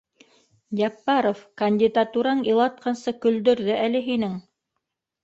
Яппаров, кандидатураң илатҡансы көлдөрҙө әле һинең